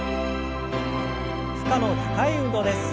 負荷の高い運動です。